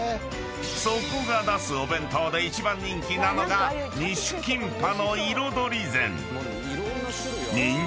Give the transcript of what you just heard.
［そこが出すお弁当で一番人気なのが２種キンパの彩り膳］